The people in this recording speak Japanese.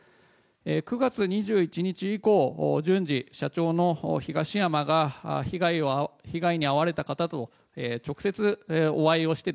９月２１日以降順次、社長の東山が被害に遭われた方と直接お会いして